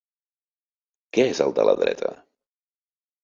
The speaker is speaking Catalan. Què és el de la dreta?